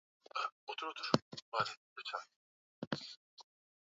Kuenea kwa ugonjwa wa majimoyo